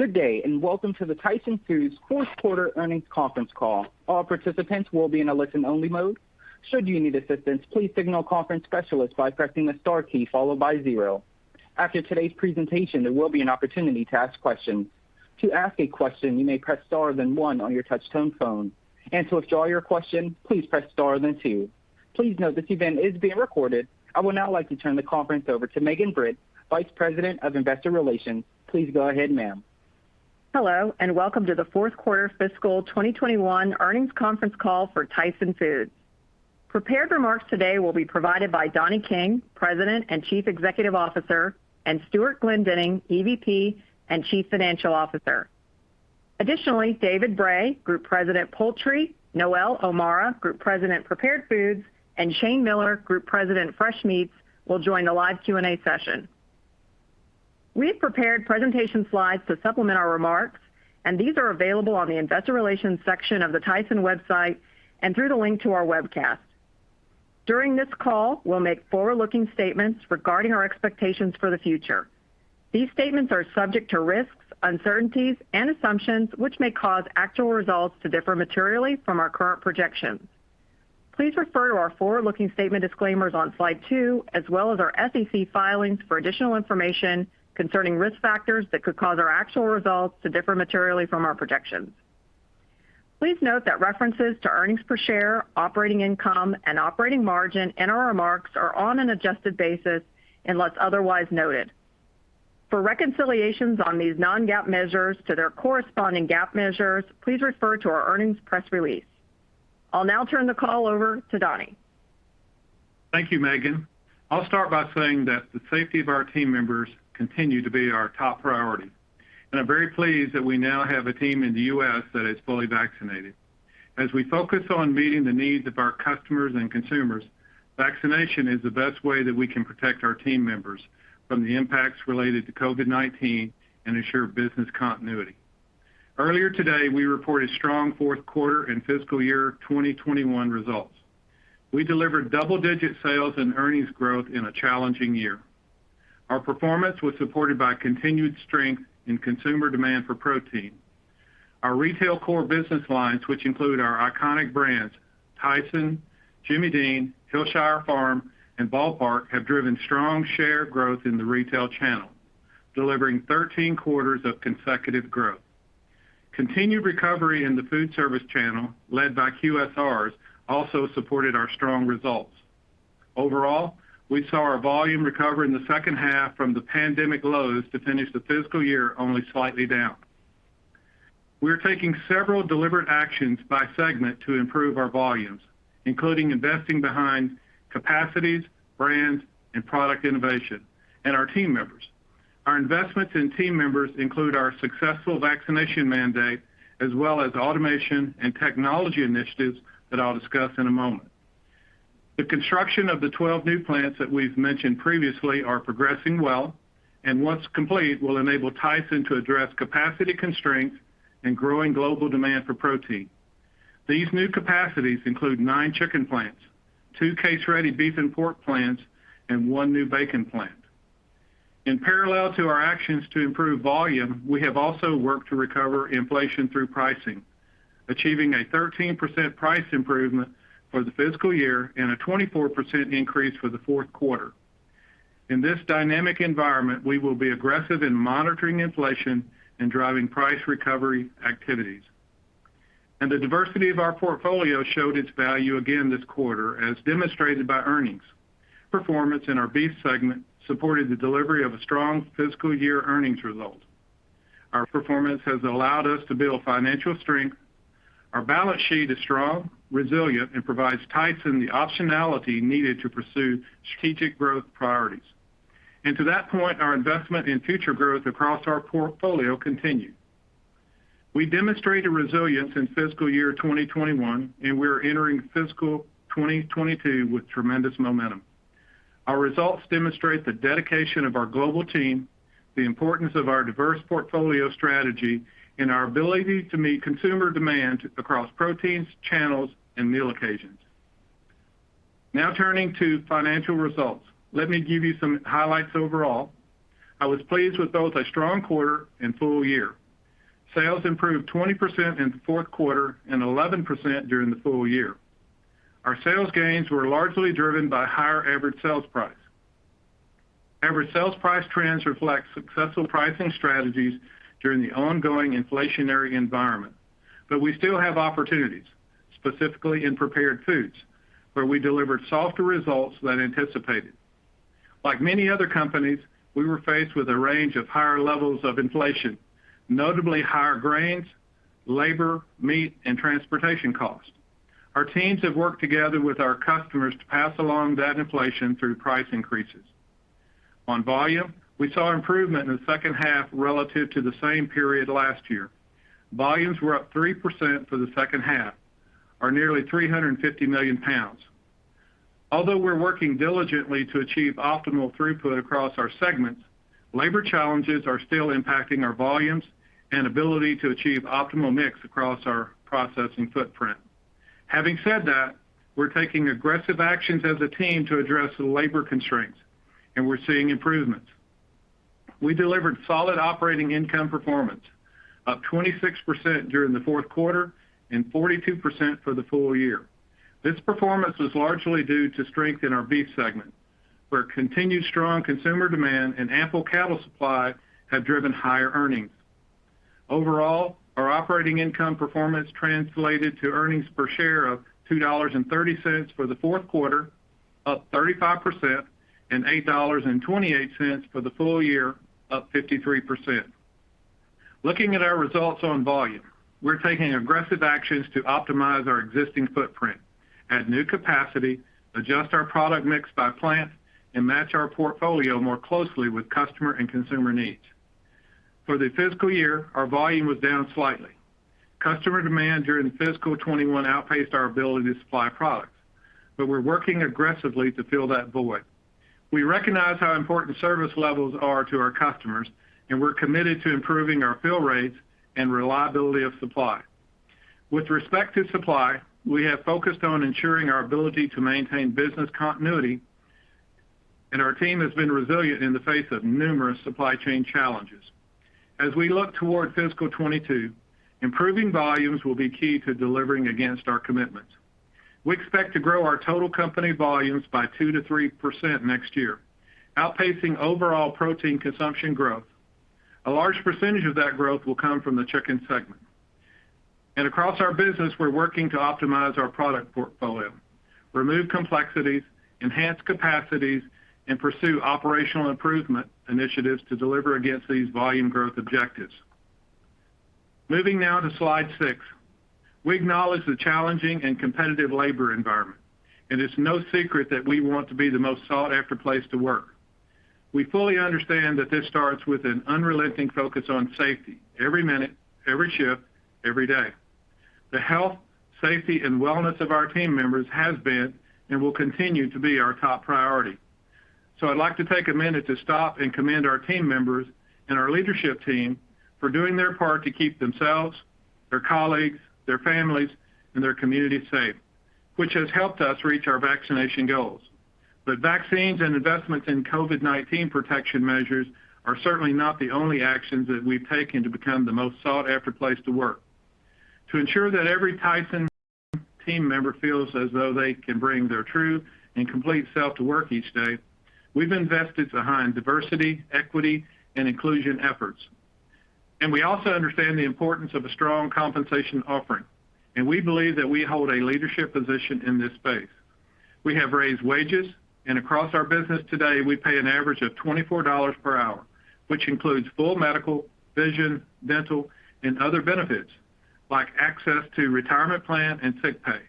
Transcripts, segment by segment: Good day, and welcome to the Tyson Foods Fourth Quarter Earnings Conference Call. All participants will be in a listen only mode. Should you need assistance, please signal conference specialist by pressing the star key followed by zero. After today's presentation, there will be an opportunity to ask questions. To ask a question, you may press star then one on your touch-tone phone. To withdraw your question, please press star then two. Please note this event is being recorded. I would now like to turn the conference over to Megan Britt, Vice President of Investor Relations. Please go ahead, ma'am. Hello, and welcome to the fourth quarter fiscal 2021 earnings conference call for Tyson Foods. Prepared remarks today will be provided by Donnie King, President and Chief Executive Officer, and Stewart Glendinning, EVP and Chief Financial Officer. Additionally, David Bray, Group President, Poultry, Noelle O'Mara, Group President, Prepared Foods, and Shane Miller, Group President, Fresh Meats, will join the live Q&A session. We have prepared presentation slides to supplement our remarks, and these are available on the investor relations section of the Tyson website and through the link to our webcast. During this call, we'll make forward-looking statements regarding our expectations for the future. These statements are subject to risks, uncertainties and assumptions, which may cause actual results to differ materially from our current projections. Please refer to our forward-looking statement disclaimers on slide two, as well as our SEC filings for additional information concerning risk factors that could cause our actual results to differ materially from our projections. Please note that references to earnings per share, operating income and operating margin in our remarks are on an adjusted basis unless otherwise noted. For reconciliations on these non-GAAP measures to their corresponding GAAP measures, please refer to our earnings press release. I'll now turn the call over to Donnie. Thank you, Megan Britt. I'll start by saying that the safety of our team members continue to be our top priority, and I'm very pleased that we now have a team in the U.S. that is fully vaccinated. As we focus on meeting the needs of our customers and consumers, vaccination is the best way that we can protect our team members from the impacts related to COVID-19 and ensure business continuity. Earlier today, we reported strong fourth quarter and fiscal year 2021 results. We delivered double-digit sales and earnings growth in a challenging year. Our performance was supported by continued strength in consumer demand for protein. Our Retail Core Business Lines, which include our iconic brands, Tyson, Jimmy Dean, Hillshire Farm, and Ball Park, have driven strong share growth in the retail channel, delivering 13 quarters of consecutive growth. Continued recovery in the food service channel, led by QSRs, also supported our strong results. Overall, we saw our volume recover in the second half from the pandemic lows to finish the fiscal year only slightly down. We're taking several deliberate actions by segment to improve our volumes, including investing behind capacities, brands, and product innovation, and our team members. Our investments in team members include our successful vaccination mandate, as well as automation and technology initiatives that I'll discuss in a moment. The construction of the 12 new plants that we've mentioned previously are progressing well, and once complete, will enable Tyson to address capacity constraints and growing global demand for protein. These new capacities include nine chicken plants, two case-ready beef and pork plants, and one new bacon plant. In parallel to our actions to improve volume, we have also worked to recover inflation through pricing, achieving a 13% price improvement for the fiscal year and a 24% increase for the fourth quarter. In this dynamic environment, we will be aggressive in monitoring inflation and driving price recovery activities. The diversity of our portfolio showed its value again this quarter, as demonstrated by earnings. Performance in our Beef segment supported the delivery of a strong fiscal year earnings result. Our performance has allowed us to build financial strength. Our balance sheet is strong, resilient, and provides Tyson the optionality needed to pursue strategic growth priorities. To that point, our investment in future growth across our portfolio continue. We demonstrated resilience in fiscal year 2021, and we're entering fiscal 2022 with tremendous momentum. Our results demonstrate the dedication of our global team, the importance of our diverse portfolio strategy, and our ability to meet consumer demand across proteins, channels, and meal occasions. Now turning to financial results. Let me give you some highlights overall. I was pleased with both a strong quarter and full year. Sales improved 20% in the fourth quarter and 11% during the full year. Our sales gains were largely driven by higher average sales price. Average sales price trends reflect successful pricing strategies during the ongoing inflationary environment. We still have opportunities, specifically in Prepared Foods, where we delivered softer results than anticipated. Like many other companies, we were faced with a range of higher levels of inflation, notably higher grains, labor, meat, and transportation costs. Our teams have worked together with our customers to pass along that inflation through price increases. On volume, we saw improvement in the second half relative to the same period last year. Volumes were up 3% for the second half or nearly 350 million pounds. Although we're working diligently to achieve optimal throughput across our segments, labor challenges are still impacting our volumes and ability to achieve optimal mix across our processing footprint. Having said that, we're taking aggressive actions as a team to address the labor constraints, and we're seeing improvements. We delivered solid operating income performance, up 26% during the fourth quarter and 42% for the full year. This performance was largely due to strength in our Beef segment, where continued strong consumer demand and ample cattle supply have driven higher earnings. Overall, our operating income performance translated to earnings per share of $2.30 for the fourth quarter, up 35% and $8.28 for the full year, up 53%. Looking at our results on volume, we're taking aggressive actions to optimize our existing footprint, add new capacity, adjust our product mix by plant, and match our portfolio more closely with customer and consumer needs. For the fiscal year, our volume was down slightly. Customer demand during fiscal 2021 outpaced our ability to supply products, but we're working aggressively to fill that void. We recognize how important service levels are to our customers, and we're committed to improving our fill rates and reliability of supply. With respect to supply, we have focused on ensuring our ability to maintain business continuity, and our team has been resilient in the face of numerous supply chain challenges. As we look toward fiscal 2022, improving volumes will be key to delivering against our commitments. We expect to grow our total company volumes by 2%-3% next year, outpacing overall protein consumption growth. A large percentage of that growth will come from the Chicken segment. Across our business, we're working to optimize our product portfolio, remove complexities, enhance capacities, and pursue operational improvement initiatives to deliver against these volume growth objectives. Moving now to slide six. We acknowledge the challenging and competitive labor environment, and it's no secret that we want to be the most sought-after place to work. We fully understand that this starts with an unrelenting focus on safety every minute, every shift, every day. The health, safety, and wellness of our team members has been and will continue to be our top priority. I'd like to take a minute to stop and commend our team members and our leadership team for doing their part to keep themselves, their colleagues, their families, and their communities safe, which has helped us reach our vaccination goals. Vaccines and investments in COVID-19 protection measures are certainly not the only actions that we've taken to become the most sought-after place to work. To ensure that every Tyson team member feels as though they can bring their true and complete self to work each day, we've invested behind diversity, equity, and inclusion efforts. We also understand the importance of a strong compensation offering, and we believe that we hold a leadership position in this space. We have raised wages, and across our business today, we pay an average of $24 per hour, which includes full medical, vision, dental, and other benefits, like access to retirement plan and sick pay.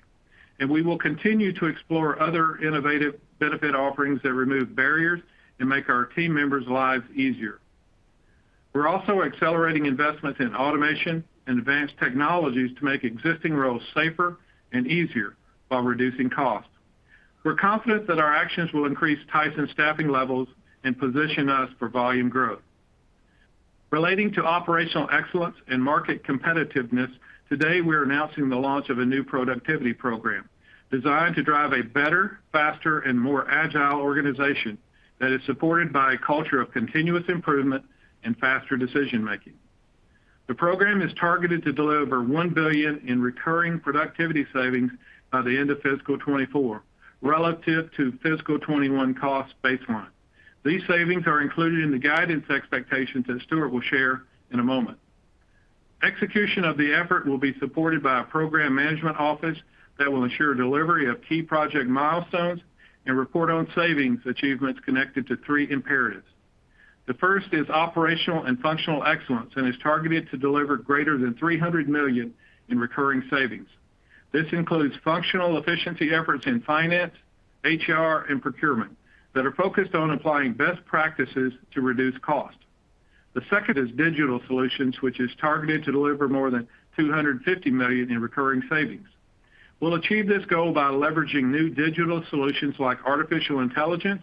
We will continue to explore other innovative benefit offerings that remove barriers and make our team members' lives easier. We're also accelerating investments in automation and advanced technologies to make existing roles safer and easier while reducing costs. We're confident that our actions will increase Tyson's staffing levels and position us for volume growth. Relating to operational excellence and market competitiveness, today we're announcing the launch of a new productivity program designed to drive a better, faster, and more agile organization that is supported by a culture of continuous improvement and faster decision-making. The program is targeted to deliver $1 billion in recurring productivity savings by the end of fiscal 2024 relative to fiscal 2021 cost baseline. These savings are included in the guidance expectations that Stewart will share in a moment. Execution of the effort will be supported by a program management office that will ensure delivery of key project milestones and report on savings achievements connected to three imperatives. The first is operational and functional excellence and is targeted to deliver greater than $300 million in recurring savings. This includes functional efficiency efforts in finance, HR, and procurement that are focused on applying best practices to reduce cost. The second is digital solutions, which is targeted to deliver more than $250 million in recurring savings. We'll achieve this goal by leveraging new digital solutions like artificial intelligence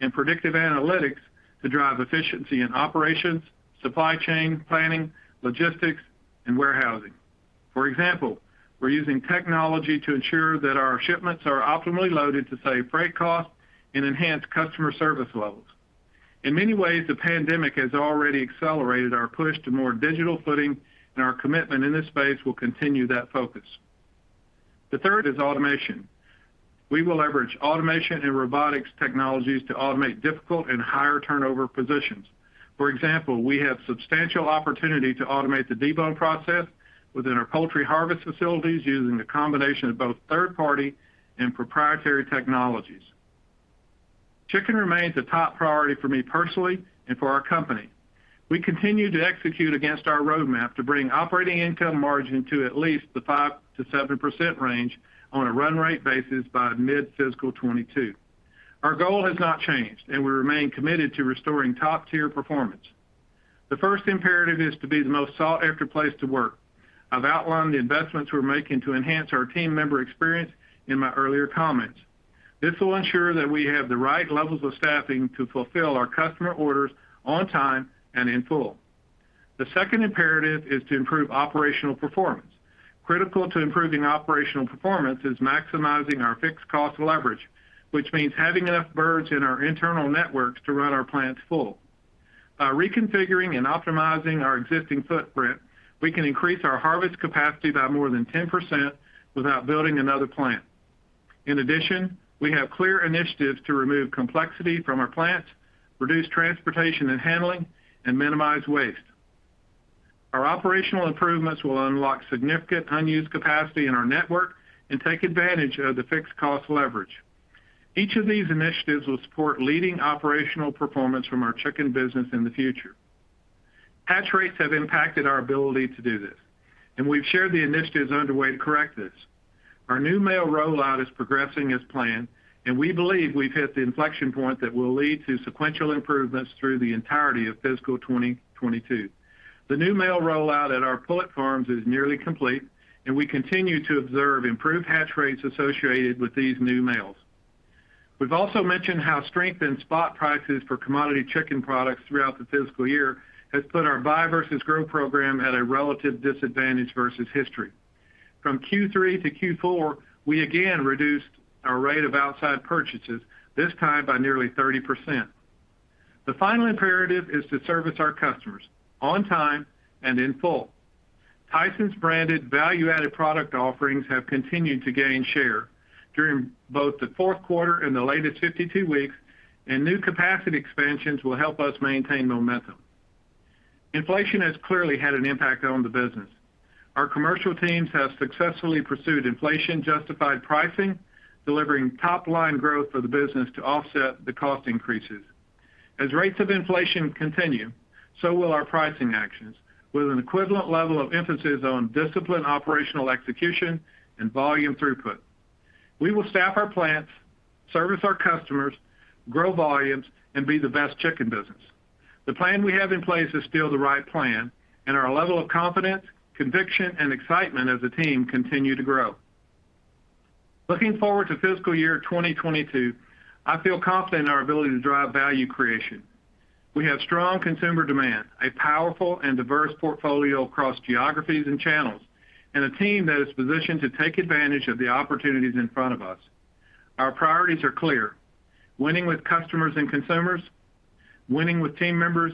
and predictive analytics to drive efficiency in operations, supply chain, planning, logistics, and warehousing. For example, we're using technology to ensure that our shipments are optimally loaded to save freight costs and enhance customer service levels. In many ways, the pandemic has already accelerated our push to more digital footing, and our commitment in this space will continue that focus. The third is automation. We will leverage automation and robotics technologies to automate difficult and higher turnover positions. For example, we have substantial opportunity to automate the debone process within our poultry harvest facilities using a combination of both third-party and proprietary technologies. Chicken remains a top priority for me personally and for our company. We continue to execute against our roadmap to bring operating income margin to at least the 5%-7% range on a run rate basis by mid-fiscal 2022. Our goal has not changed, and we remain committed to restoring top-tier performance. The first imperative is to be the most sought-after place to work. I've outlined the investments we're making to enhance our team member experience in my earlier comments. This will ensure that we have the right levels of staffing to fulfill our customer orders on time and in full. The second imperative is to improve operational performance. Critical to improving operational performance is maximizing our fixed cost leverage, which means having enough birds in our internal networks to run our plants full. By reconfiguring and optimizing our existing footprint, we can increase our harvest capacity by more than 10% without building another plant. In addition, we have clear initiatives to remove complexity from our plants, reduce transportation and handling, and minimize waste. Our operational improvements will unlock significant unused capacity in our network and take advantage of the fixed cost leverage. Each of these initiatives will support leading operational performance from our Chicken business in the future. Hatch rates have impacted our ability to do this, and we've shared the initiatives underway to correct this. Our new male rollout is progressing as planned, and we believe we've hit the inflection point that will lead to sequential improvements through the entirety of fiscal 2022. The new male rollout at our pullet farms is nearly complete, and we continue to observe improved hatch rates associated with these new males. We've also mentioned how strength in spot prices for commodity chicken products throughout the fiscal year has put our Buy vs. Grow program at a relative disadvantage versus history. From Q3 to Q4, we again reduced our rate of outside purchases, this time by nearly 30%. The final imperative is to service our customers on time and in full. Tyson's branded value-added product offerings have continued to gain share during both the fourth quarter and the latest 52 weeks, and new capacity expansions will help us maintain momentum. Inflation has clearly had an impact on the business. Our commercial teams have successfully pursued inflation-justified pricing, delivering top-line growth for the business to offset the cost increases. As rates of inflation continue, so will our pricing actions with an equivalent level of emphasis on disciplined operational execution and volume throughput. We will staff our plants, service our customers, grow volumes, and be the best chicken business. The plan we have in place is still the right plan, and our level of confidence, conviction, and excitement as a team continue to grow. Looking forward to fiscal year 2022, I feel confident in our ability to drive value creation. We have strong consumer demand, a powerful and diverse portfolio across geographies and channels, and a team that is positioned to take advantage of the opportunities in front of us. Our priorities are clear, winning with customers and consumers, winning with team members,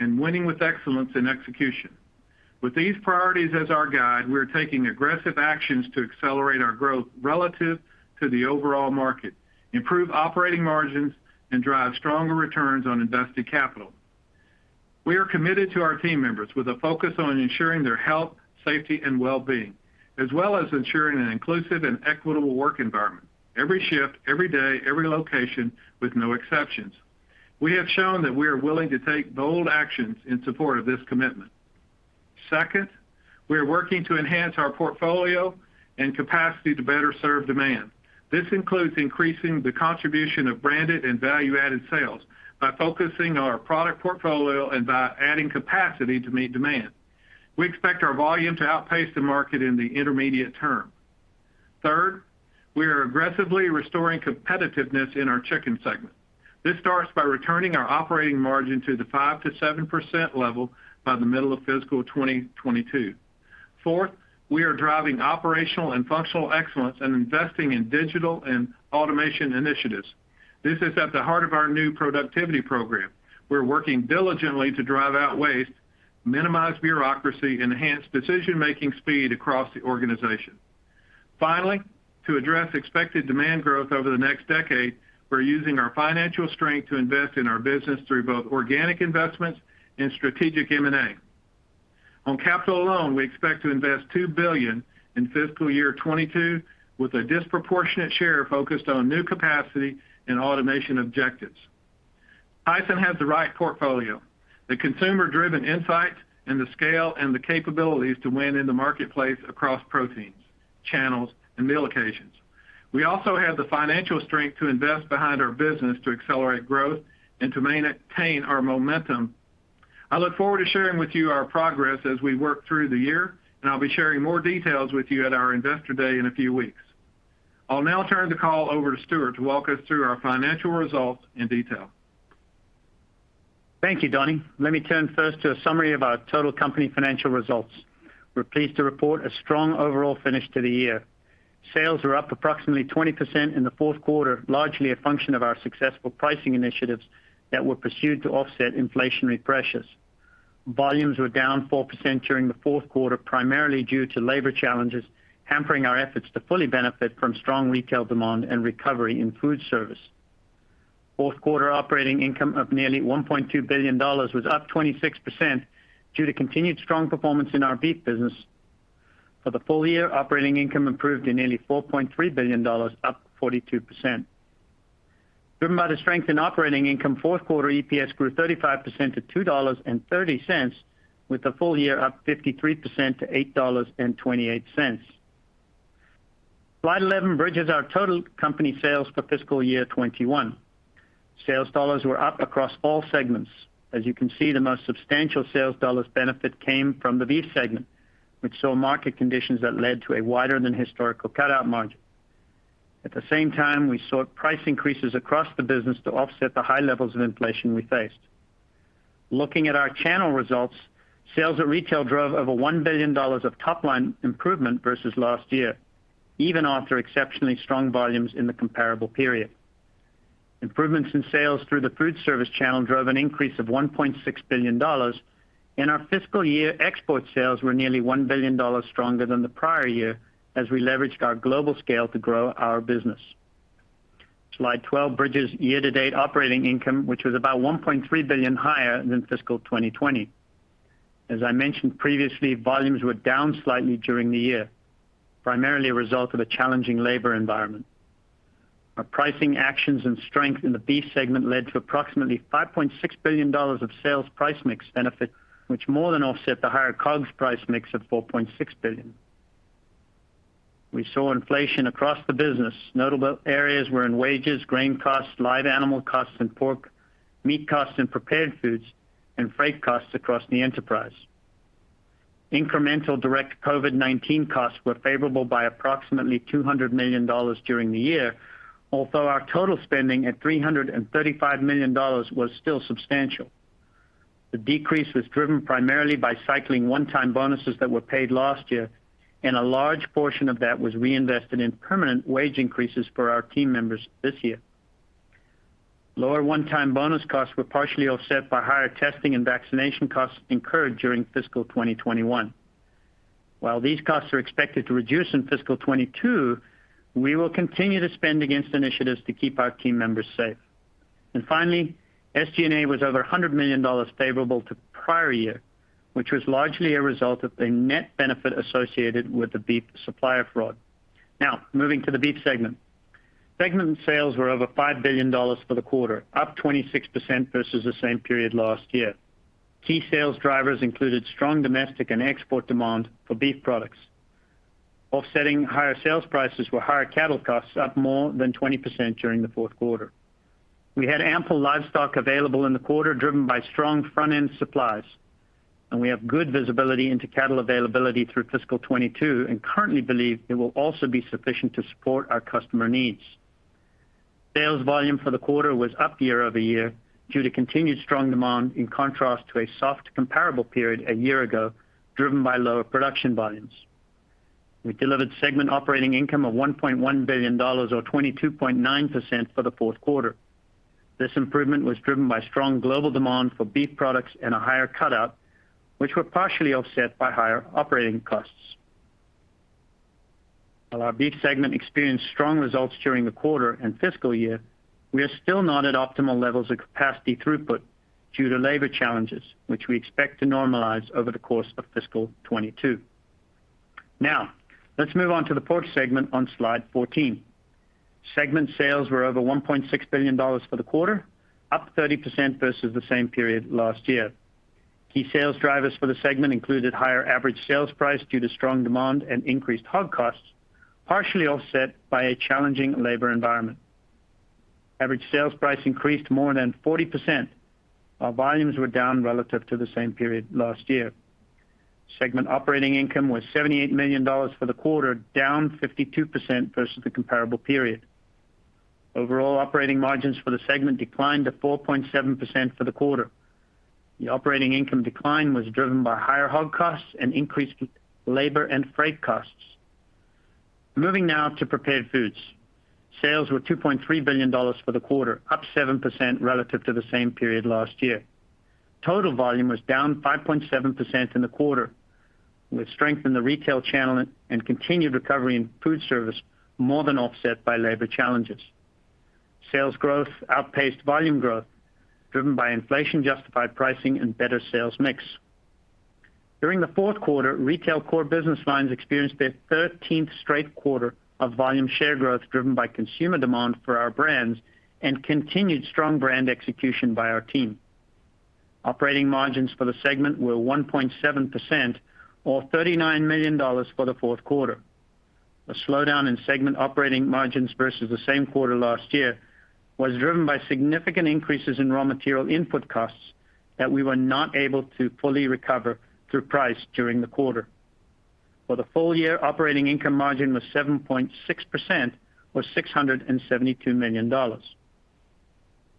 and winning with excellence in execution. With these priorities as our guide, we're taking aggressive actions to accelerate our growth relative to the overall market, improve operating margins, and drive stronger returns on invested capital. We are committed to our team members with a focus on ensuring their health, safety, and well-being, as well as ensuring an inclusive and equitable work environment every shift, every day, every location with no exceptions. We have shown that we are willing to take bold actions in support of this commitment. Second, we are working to enhance our portfolio and capacity to better serve demand. This includes increasing the contribution of branded and value-added sales by focusing on our product portfolio and by adding capacity to meet demand. We expect our volume to outpace the market in the intermediate term. Third, we are aggressively restoring competitiveness in our Chicken segment. This starts by returning our operating margin to the 5%-7% level by the middle of fiscal 2022. Fourth, we are driving operational and functional excellence and investing in digital and automation initiatives. This is at the heart of our new productivity program. We're working diligently to drive out waste, minimize bureaucracy, enhance decision-making speed across the organization. Finally, to address expected demand growth over the next decade, we're using our financial strength to invest in our business through both organic investments and strategic M&A. On capital alone, we expect to invest $2 billion in fiscal year 2022, with a disproportionate share focused on new capacity and automation objectives. Tyson has the right portfolio, the consumer-driven insight, and the scale and the capabilities to win in the marketplace across proteins, channels, and meal occasions. We also have the financial strength to invest behind our business to accelerate growth and to obtain our momentum. I look forward to sharing with you our progress as we work through the year, and I'll be sharing more details with you at our investor day in a few weeks. I'll now turn the call over to Stewart to walk us through our financial results in detail. Thank you, Donnie. Let me turn first to a summary of our total company financial results. We're pleased to report a strong overall finish to the year. Sales were up approximately 20% in the fourth quarter, largely a function of our successful pricing initiatives that were pursued to offset inflationary pressures. Volumes were down 4% during the fourth quarter, primarily due to labor challenges hampering our efforts to fully benefit from strong retail demand and recovery in food service. Fourth quarter operating income of nearly $1.2 billion was up 26% due to continued strong performance in our beef business. For the full year, operating income improved to nearly $4.3 billion, up 42%. Driven by the strength in operating income, fourth quarter EPS grew 35% to $2.30, with the full year up 53% to $8.28. Slide 11 bridges our total company sales for fiscal year 2021. Sales dollars were up across all segments. As you can see, the most substantial sales dollars benefit came from the Beef segment, which saw market conditions that led to a wider than historical cutout margin. At the same time, we sought price increases across the business to offset the high levels of inflation we faced. Looking at our channel results, sales at retail drove over $1 billion of top-line improvement versus last year, even after exceptionally strong volumes in the comparable period. Improvements in sales through the food service channel drove an increase of $1.6 billion and our fiscal year export sales were nearly $1 billion stronger than the prior year as we leveraged our global scale to grow our business. Slide 12 bridges year-to-date operating income, which was about $1.3 billion higher than fiscal 2020. As I mentioned previously, volumes were down slightly during the year, primarily a result of a challenging labor environment. Our pricing actions and strength in the Beef segment led to approximately $5.6 billion of sales price mix benefit, which more than offset the higher COGS price mix of $4.6 billion. We saw inflation across the business. Notable areas were in wages, grain costs, live animal costs, and pork meat costs in Prepared Foods, and freight costs across the enterprise. Incremental direct COVID-19 costs were favorable by approximately $200 million during the year. Although our total spending at $335 million was still substantial. The decrease was driven primarily by cycling one-time bonuses that were paid last year, and a large portion of that was reinvested in permanent wage increases for our team members this year. Lower one-time bonus costs were partially offset by higher testing and vaccination costs incurred during fiscal 2021. While these costs are expected to reduce in fiscal 2022, we will continue to spend against initiatives to keep our team members safe. Finally, SG&A was over $100 million favorable to prior year, which was largely a result of a net benefit associated with the beef supplier fraud. Now, moving to the Beef segment. Segment sales were over $5 billion for the quarter, up 26% versus the same period last year. Key sales drivers included strong domestic and export demand for beef products. Offsetting higher sales prices were higher cattle costs, up more than 20% during the fourth quarter. We had ample livestock available in the quarter, driven by strong front-end supplies, and we have good visibility into cattle availability through fiscal 2022 and currently believe it will also be sufficient to support our customer needs. Sales volume for the quarter was up year-over-year due to continued strong demand, in contrast to a soft comparable period a year ago, driven by lower production volumes. We delivered segment operating income of $1.1 billion or 22.9% for the fourth quarter. This improvement was driven by strong global demand for beef products and a higher cutout, which were partially offset by higher operating costs. While our Beef segment experienced strong results during the quarter and fiscal year, we are still not at optimal levels of capacity throughput due to labor challenges, which we expect to normalize over the course of fiscal 2022. Now, let's move on to the Pork segment on slide 14. Segment sales were over $1.6 billion for the quarter, up 30% versus the same period last year. Key sales drivers for the segment included higher average sales price due to strong demand and increased hog costs, partially offset by a challenging labor environment. Average sales price increased more than 40%, while volumes were down relative to the same period last year. Segment operating income was $78 million for the quarter, down 52% versus the comparable period. Overall operating margins for the segment declined to 4.7% for the quarter. The operating income decline was driven by higher hog costs and increased labor and freight costs. Moving now to Prepared Foods. Sales were $2.3 billion for the quarter, up 7% relative to the same period last year. Total volume was down 5.7% in the quarter, with strength in the retail channel and continued recovery in food service more than offset by labor challenges. Sales growth outpaced volume growth driven by inflation-justified pricing and better sales mix. During the fourth quarter, retail core business lines experienced their 13th straight quarter of volume share growth, driven by consumer demand for our brands and continued strong brand execution by our team. Operating margins for the segment were 1.7% or $39 million for the fourth quarter. A slowdown in segment operating margins versus the same quarter last year was driven by significant increases in raw material input costs that we were not able to fully recover through price during the quarter. For the full year, operating income margin was 7.6% or $672 million.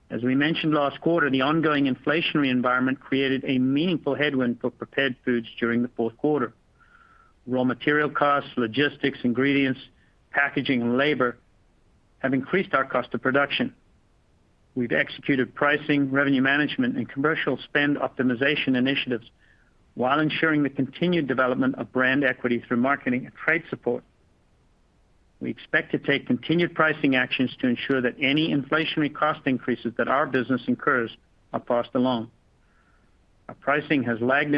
As we mentioned last quarter, the ongoing inflationary environment created a meaningful headwind for Prepared Foods during the fourth quarter. Raw material costs, logistics, ingredients, packaging, and labor have increased our cost of production. We've executed pricing, revenue management, and commercial spend optimization initiatives while ensuring the continued development of brand equity through marketing and trade support. We expect to take continued pricing actions to ensure that any inflationary cost increases that our business incurs are passed along. Our pricing has lagged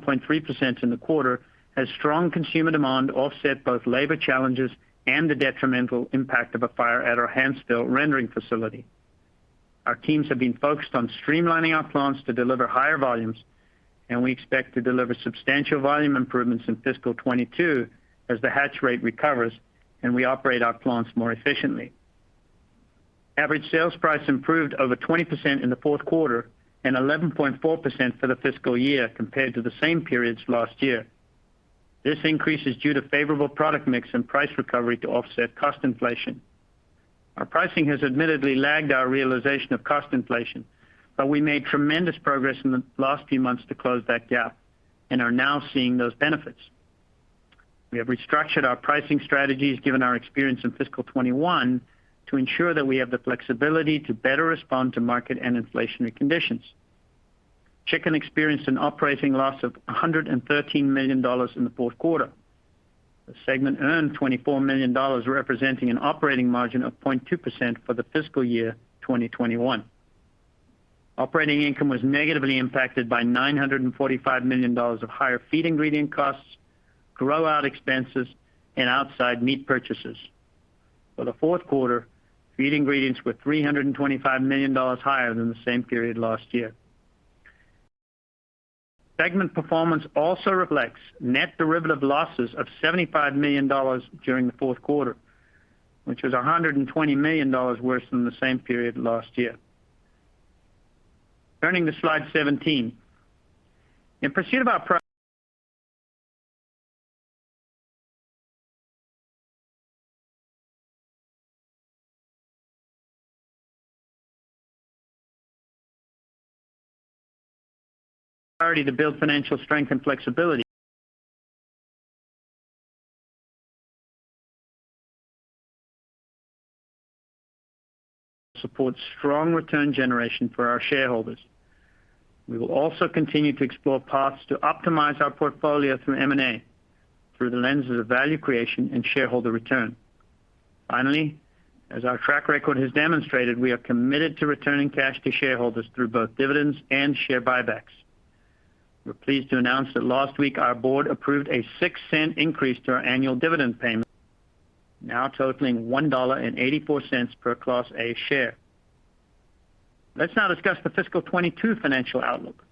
1.3% in the quarter as strong consumer demand offset both labor challenges and the detrimental impact of a fire at our Hanceville rendering facility. Our teams have been focused on streamlining our plants to deliver higher volumes, and we expect to deliver substantial volume improvements in fiscal 2022 as the hatch rate recovers and we operate our plants more efficiently. Average sales price improved over 20% in the fourth quarter and 11.4% for the fiscal year compared to the same periods last year. This increase is due to favorable product mix and price recovery to offset cost inflation. Our pricing has admittedly lagged our realization of cost inflation, but we made tremendous progress in the last few months to close that gap and are now seeing those benefits. We have restructured our pricing strategies given our experience in fiscal 2021 to ensure that we have the flexibility to better respond to market and inflationary conditions. Chicken experienced an operating loss of $113 million in the fourth quarter. The segment earned $24 million, representing an operating margin of 0.2% for the fiscal year 2021. Operating income was negatively impacted by $945 million of higher feed ingredient costs, grow out expenses, and outside meat purchases. For the fourth quarter, feed ingredients were $325 million higher than the same period last year. Segment performance also reflects net derivative losses of $75 million during the fourth quarter, which was $120 million worse than the same period last year. Turning to slide 17. In pursuit of our priority to build financial strength and flexibility to support strong return generation for our shareholders. We will also continue to explore paths to optimize our portfolio through M&A through the lens of value creation and shareholder return. Finally, as our track record has demonstrated, we are committed to returning cash to shareholders through both dividends and share buybacks. We're pleased to announce that last week our board approved a $0.06 increase to our annual dividend payment, now totaling $1.84 per Class A share. Let's now discuss the fiscal 2022 financial outlook.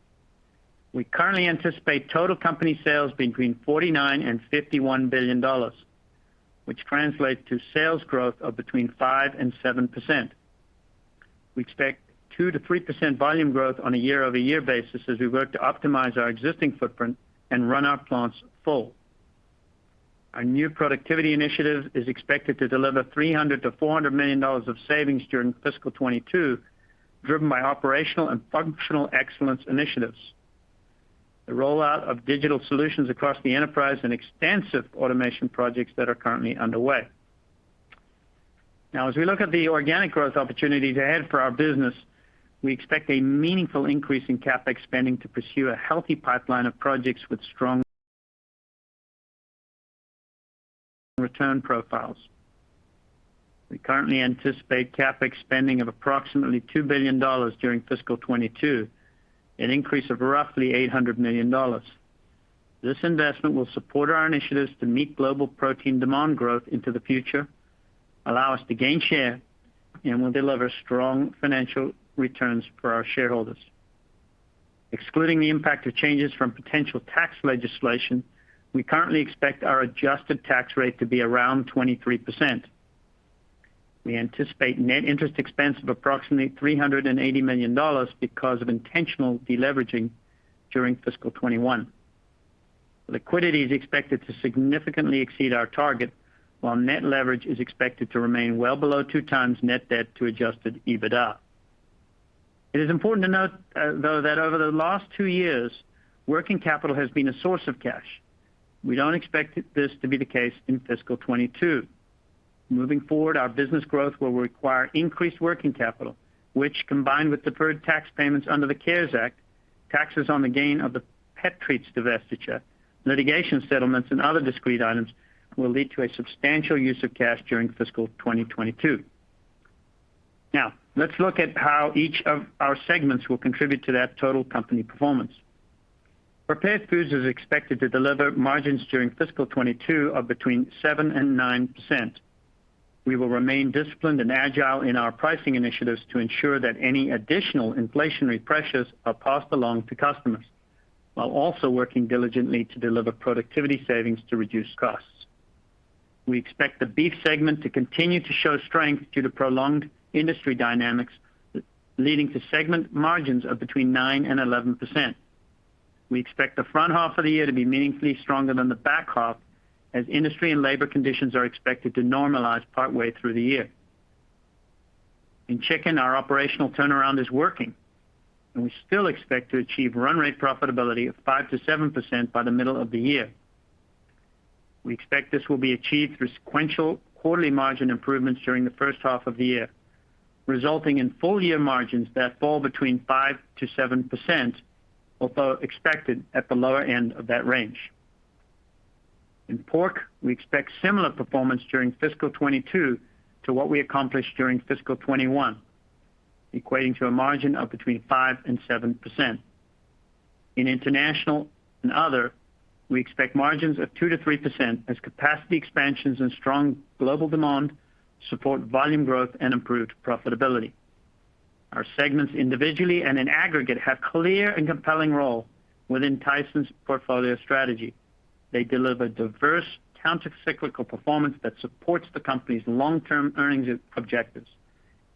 We currently anticipate total company sales between $49 billion and $51 billion, which translates to sales growth of between 5% and 7%. We expect 2%-3% volume growth on a year-over-year basis as we work to optimize our existing footprint and run our plants full. Our new productivity initiative is expected to deliver $300 million-$400 million of savings during fiscal 2022, driven by operational and functional excellence initiatives, the rollout of digital solutions across the enterprise and extensive automation projects that are currently underway. Now as we look at the organic growth opportunities ahead for our business, we expect a meaningful increase in CapEx spending to pursue a healthy pipeline of projects with strong return profiles. We currently anticipate CapEx spending of approximately $2 billion during fiscal 2022, an increase of roughly $800 million. This investment will support our initiatives to meet global protein demand growth into the future, allow us to gain share, and will deliver strong financial returns for our shareholders. Excluding the impact of changes from potential tax legislation, we currently expect our adjusted tax rate to be around 23%. We anticipate net interest expense of approximately $380 million because of intentional deleveraging during fiscal 2021. Liquidity is expected to significantly exceed our target, while net leverage is expected to remain well below 2x net debt to adjusted EBITDA. It is important to note, though, that over the last two years, working capital has been a source of cash. We don't expect this to be the case in fiscal 2022. Moving forward, our business growth will require increased working capital, which combined with deferred tax payments under the CARES Act, taxes on the gain of the pet treats divestiture, litigation settlements, and other discrete items will lead to a substantial use of cash during fiscal 2022. Now, let's look at how each of our segments will contribute to that total company performance. Prepared Foods is expected to deliver margins during fiscal 2022 of between 7% and 9%. We will remain disciplined and agile in our pricing initiatives to ensure that any additional inflationary pressures are passed along to customers while also working diligently to deliver productivity savings to reduce costs. We expect the Beef segment to continue to show strength due to prolonged industry dynamics leading to segment margins of between 9% and 11%. We expect the front half of the year to be meaningfully stronger than the back half as industry and labor conditions are expected to normalize partway through the year. In Chicken, our operational turnaround is working, and we still expect to achieve run rate profitability of 5%-7% by the middle of the year. We expect this will be achieved through sequential quarterly margin improvements during the first half of the year, resulting in full-year margins that fall between 5%-7%, although expected at the lower end of that range. In Pork, we expect similar performance during fiscal 2022 to what we accomplished during fiscal 2021, equating to a margin of between 5% and 7%. In International and Other, we expect margins of 2%-3% as capacity expansions and strong global demand support volume growth and improved profitability. Our segments individually and in aggregate have clear and compelling role within Tyson's portfolio strategy. They deliver diverse countercyclical performance that supports the company's long-term earnings objectives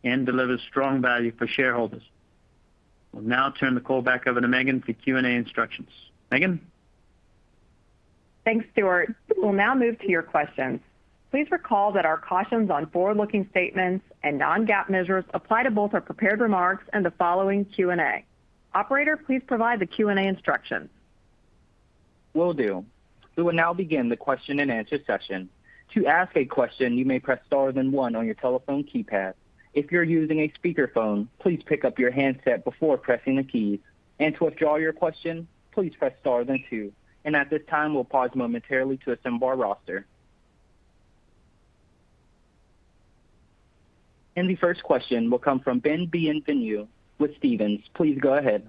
and delivers strong value for shareholders. We'll now turn the call back over to Megan for Q&A instructions. Megan. Thanks, Stewart. We'll now move to your questions. Please recall that our cautions on forward-looking statements and non-GAAP measures apply to both our prepared remarks and the following Q&A. Operator, please provide the Q&A instructions. Will do. We will now begin the question-and-answer session. To ask a question, you may press star then one on your telephone keypad. If you're using a speakerphone, please pick up your handset before pressing the keys. To withdraw your question, please press star then two. At this time, we'll pause momentarily to assemble our roster. The first question will come from Ben Bienvenu with Stephens. Please go ahead.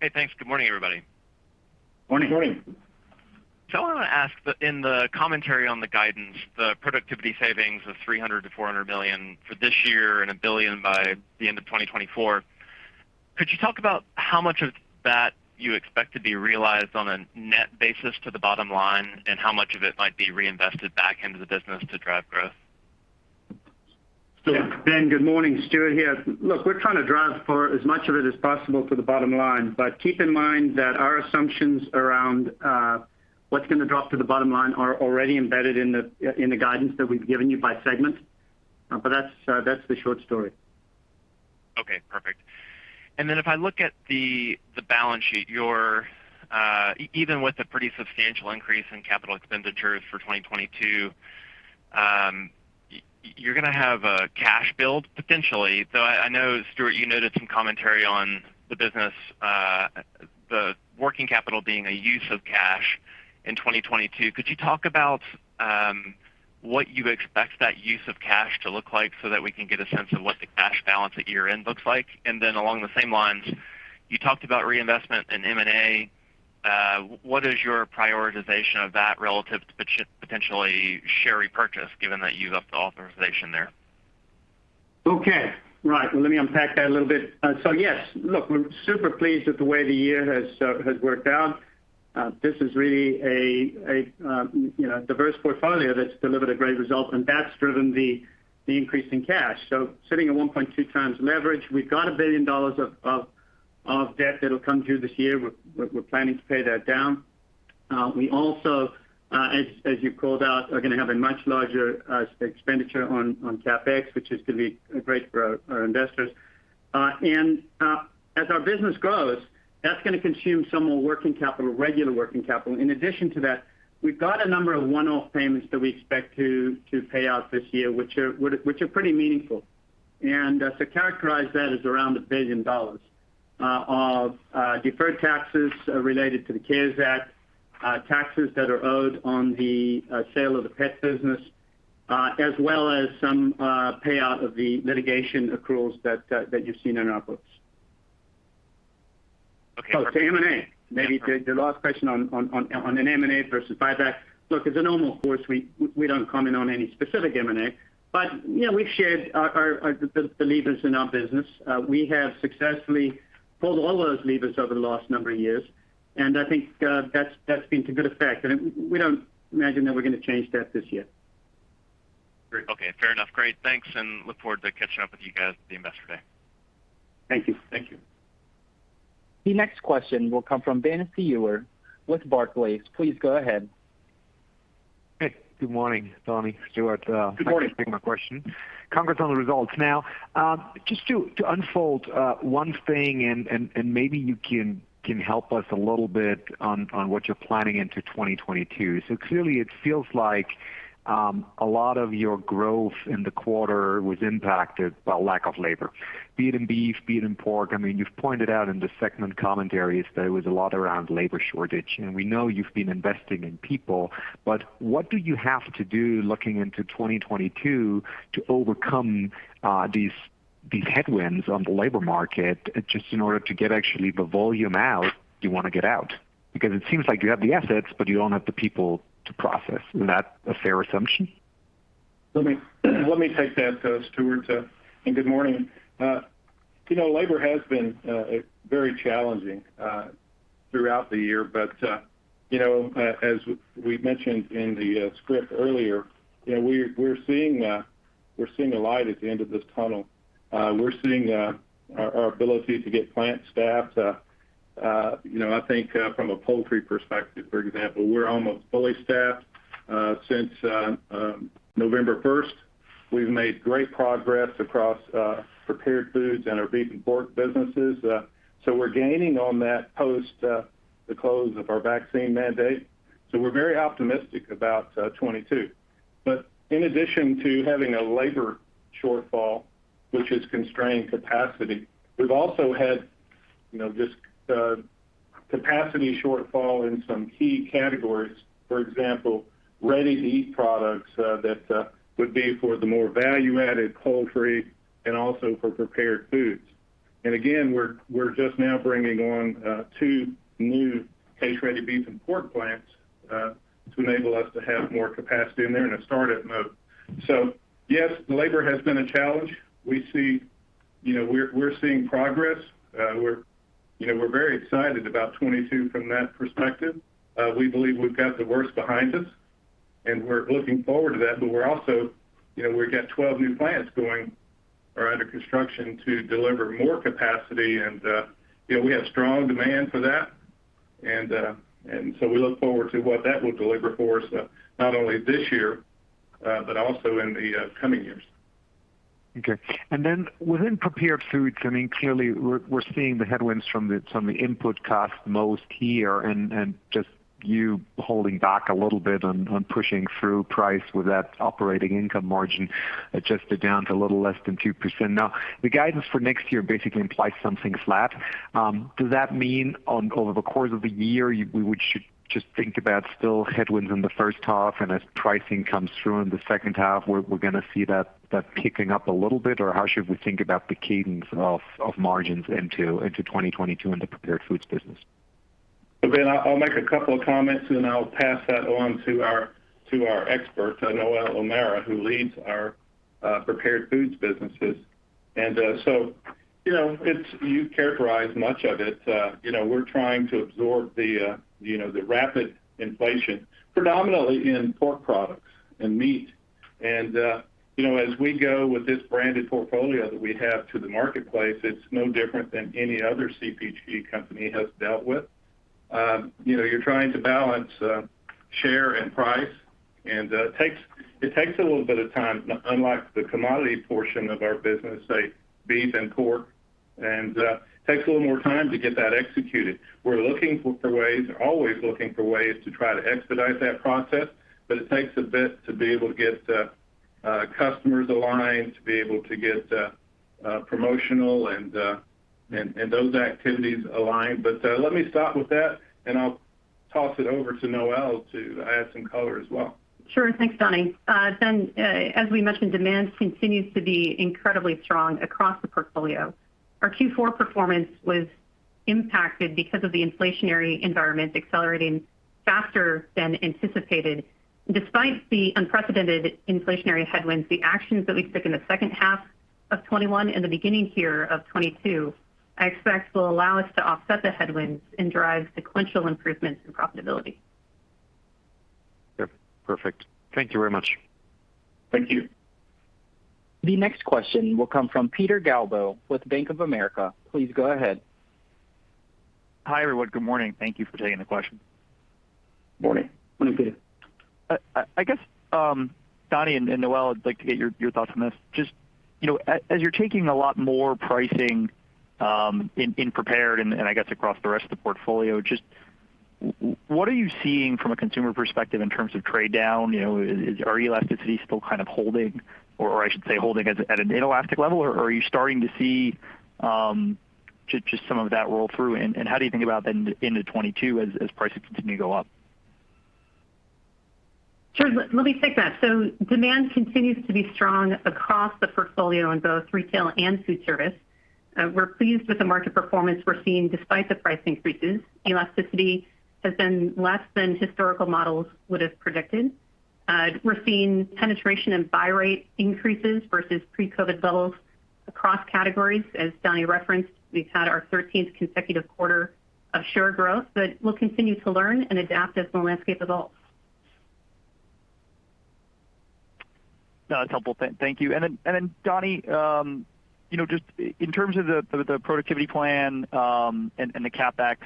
Hey, thanks. Good morning, everybody. Morning. Morning. I wanna ask that in the commentary on the guidance, the productivity savings of $300 million-$400 million for this year and $1 billion by the end of 2024, could you talk about how much of that you expect to be realized on a net basis to the bottom line, and how much of it might be reinvested back into the business to drive growth? Ben, good morning. Stewart here. Look, we're trying to drive for as much of it as possible to the bottom line. Keep in mind that our assumptions around what's gonna drop to the bottom line are already embedded in the guidance that we've given you by segment. That's the short story. Okay, perfect. If I look at the balance sheet, even with a pretty substantial increase in capital expenditures for 2022, you're gonna have a cash build potentially. I know, Stewart, you noted some commentary on the business, the working capital being a use of cash in 2022. Could you talk about what you expect that use of cash to look like so that we can get a sense of what the cash balance at year-end looks like? Along the same lines, you talked about reinvestment in M&A. What is your prioritization of that relative to potentially share repurchase given that you have the authorization there? Okay. Right. Well, let me unpack that a little bit. Yes. Look, we're super pleased with the way the year has worked out. This is really a you know, diverse portfolio that's delivered a great result, and that's driven the increase in cash. Sitting at 1.2x leverage, we've got $1 billion of debt that'll come due this year. We're planning to pay that down. We also, as you called out, are gonna have a much larger expenditure on CapEx, which is gonna be great for our investors. As our business grows, that's gonna consume some more working capital, regular working capital. In addition to that, we've got a number of one-off payments that we expect to pay out this year, which are pretty meaningful. Characterize that as around $1 billion of deferred taxes related to the CARES Act, taxes that are owed on the sale of the pet business, as well as some payout of the litigation accruals that you've seen in our books. Okay. M&A. Maybe the last question on an M&A versus buyback. Look, in the normal course, we don't comment on any specific M&A. You know, we've shared the levers in our business. We have successfully pulled all of those levers over the last number of years, and I think that's been to good effect. We don't imagine that we're gonna change that this year. Great. Okay. Fair enough. Great. Thanks, and I look forward to catching up with you guys at the Investor Day. Thank you. Thank you. The next question will come from Benjamin Theurer with Barclays. Please go ahead. Hey, good morning, Donnie, Stewart. Good morning. Thanks for taking my question. Congrats on the results. Now, just to unfold one thing and maybe you can help us a little bit on what you're planning into 2022. Clearly it feels like a lot of your growth in the quarter was impacted by lack of labor, be it in Beef, be it in Pork. I mean, you've pointed out in the segment commentaries there was a lot around labor shortage, and we know you've been investing in people. What do you have to do looking into 2022 to overcome these headwinds on the labor market just in order to get actually the volume out you wanna get out? Because it seems like you have the assets, but you don't have the people to process. Is that a fair assumption? Let me take that, Stewart, and good morning. You know, labor has been very challenging throughout the year. You know, as we've mentioned in the script earlier, you know, we're seeing a light at the end of this tunnel. We're seeing our ability to get plant staffed. You know, I think from a poultry perspective, for example, we're almost fully staffed since November 1. We've made great progress across Prepared Foods and our Beef and Pork businesses. We're gaining on that post the close of our vaccine mandate. We're very optimistic about 2022. In addition to having a labor shortfall, which is constrained capacity, we've also had, you know, just capacity shortfall in some key categories. For example, ready-to-eat products that would be for the more value-added poultry and also for prepared foods. Again, we're just now bringing on two new case-ready beef and pork plants to enable us to have more capacity in there in a startup mode. Yes, the labor has been a challenge. You know, we're seeing progress. You know, we're very excited about 2022 from that perspective. We believe we've got the worst behind us, and we're looking forward to that, but we're also, you know, we've got 12 new plants going or under construction to deliver more capacity and, you know, we have strong demand for that. We look forward to what that will deliver for us, not only this year, but also in the coming years. Okay. Within Prepared Foods, I mean, clearly we're seeing the headwinds from the input costs most here and just you holding back a little bit on pushing through price with that operating income margin adjusted down to a little less than 2%. Now, the guidance for next year basically implies something flat. Does that mean over the course of the year, we should just think about still headwinds in the first half, and as pricing comes through in the second half, we're gonna see that picking up a little bit? Or how should we think about the cadence of margins into 2022 in the Prepared Foods business? Ben, I'll make a couple of comments, and then I'll pass that on to our expert, Noelle O'Mara, who leads our Prepared Foods businesses. You know, it's as you characterized much of it. You know, we're trying to absorb the rapid inflation, predominantly in pork products and meat. You know, as we go with this branded portfolio that we have to the marketplace, it's no different than any other CPG company has dealt with. You know, you're trying to balance share and price, and it takes a little bit of time, unlike the commodity portion of our business, say beef and pork, and it takes a little more time to get that executed. We're looking for ways, always looking for ways to try to expedite that process, but it takes a bit to be able to get customers aligned, to be able to get promotional and those activities aligned. Let me stop with that, and I'll toss it over to Noelle to add some color as well. Sure. Thanks, Donnie. Ben, as we mentioned, demand continues to be incredibly strong across the portfolio. Our Q4 performance was impacted because of the inflationary environment accelerating faster than anticipated. Despite the unprecedented inflationary headwinds, the actions that we took in the second half of 2021 and the beginning here of 2022, I expect will allow us to offset the headwinds and drive sequential improvements in profitability. Yep. Perfect. Thank you very much. Thank you. The next question will come from Peter Galbo with Bank of America. Please go ahead. Hi, everyone. Good morning. Thank you for taking the question. Morning. Morning, Peter. I guess, Donnie and Noelle, I'd like to get your thoughts on this. Just, you know, as you're taking a lot more pricing in prepared and I guess across the rest of the portfolio, just what are you seeing from a consumer perspective in terms of trade down? You know, are elasticity still kind of holding or I should say holding at an inelastic level, or are you starting to see just some of that roll through? How do you think about then into 2022 as prices continue to go up? Sure. Let me take that. Demand continues to be strong across the portfolio in both retail and food service. We're pleased with the market performance we're seeing despite the price increases. Elasticity has been less than historical models would have predicted. We're seeing penetration and buy rate increases versus pre-COVID levels across categories. As Donnie referenced, we've had our thirteenth consecutive quarter of share growth, but we'll continue to learn and adapt as the landscape evolves. No, that's helpful. Thank you. Donnie, you know, just in terms of the productivity plan, and the CapEx,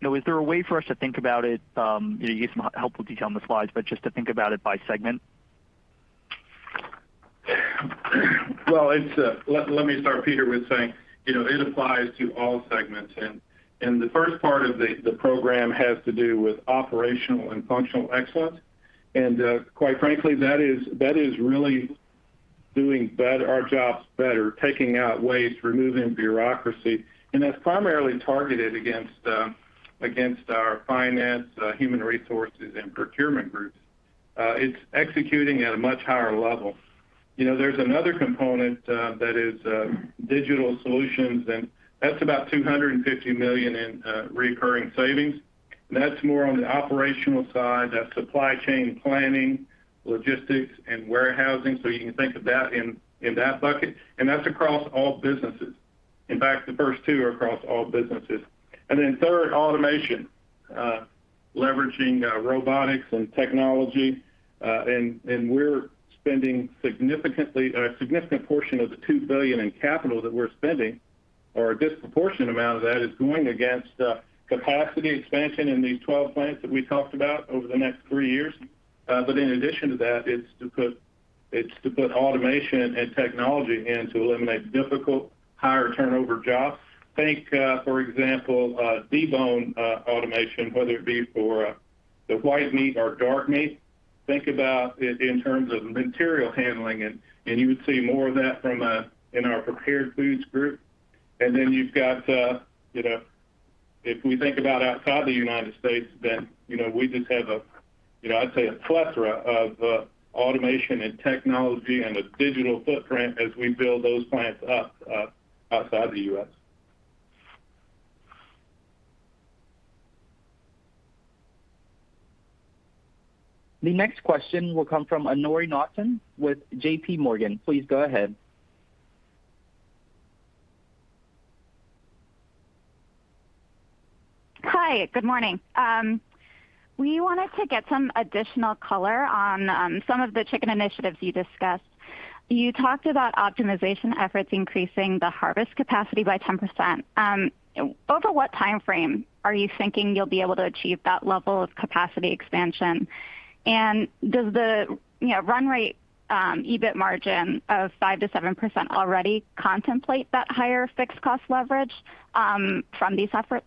you know, is there a way for us to think about it, you know, you gave some helpful detail on the slides, but just to think about it by segment? Well, let me start Peter with saying, you know, it applies to all segments. The first part of the program has to do with operational and functional excellence. Quite frankly, that is really doing our jobs better, taking out waste, removing bureaucracy. That's primarily targeted against our finance, human resources and procurement groups. It's executing at a much higher level. You know, there's another component, digital solutions, and that's about $250 million in recurring savings. That's more on the operational side. That's supply chain planning, logistics and warehousing. So you can think of that in that bucket. That's across all businesses. In fact, the first two are across all businesses. Then third, automation, leveraging robotics and technology. We're spending a significant portion of the $2 billion in capital that we're spending or a disproportionate amount of that is going towards capacity expansion in these 12 plants that we talked about over the next 3 years. In addition to that, it's to put automation and technology in to eliminate difficult, higher turnover jobs. Think, for example, debone automation, whether it be for the white meat or dark meat. Think about it in terms of material handling and you would see more of that in our Prepared Foods group. You've got, you know, if we think about outside the United States, then, you know, we just have a, you know, I'd say a plethora of automation and technology and a digital footprint as we build those plants up outside the U.S. The next question will come from Anoori Naughton with JPMorgan. Please go ahead. Hi. Good morning. We wanted to get some additional color on some of the chicken initiatives you discussed. You talked about optimization efforts increasing the harvest capacity by 10%. Over what time frame are you thinking you'll be able to achieve that level of capacity expansion? And does the, you know, run rate, EBIT margin of 5%-7% already contemplate that higher fixed cost leverage from these efforts?